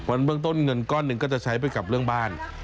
เบื้องต้นเงินก้อนหนึ่งก็จะใช้ไปกับเรื่องบ้าน